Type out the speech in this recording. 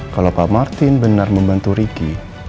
kalau pak martin benar membantu ricky